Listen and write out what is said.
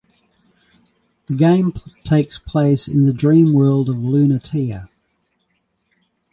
The game takes place in the dream world of Lunatea.